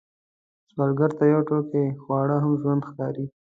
سوالګر ته یو ټوقی خواړه هم ژوند ښکاري